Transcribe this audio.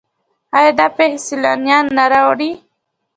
آیا دا پیښې سیلانیان نه راوړي؟